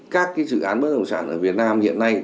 các dự án bất đồng sản ở việt nam hiện nay